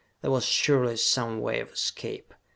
There was surely some way of escape.